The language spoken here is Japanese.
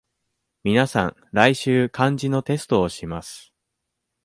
皆さん、来週漢字のテストをします。